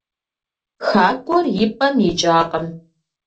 Хакӏуэр и пӀэм икӀакъым.